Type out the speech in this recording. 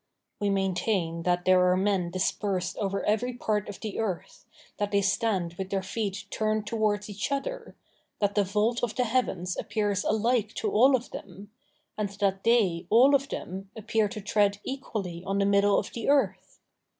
We maintain, that there are men dispersed over every part of the earth, that they stand with their feet turned towards each other, that the vault of the heavens appears alike to all of them, and that they, all of them, appear to tread equally on the middle of the earth.